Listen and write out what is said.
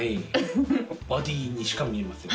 バディにしか見えません。